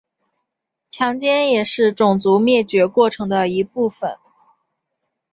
强奸也是种族灭绝过程的一部分。